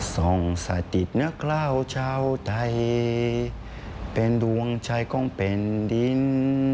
สงสัติตเนียกลาวเจ้าไทยเพ้นดวงใจของเพ้นดิน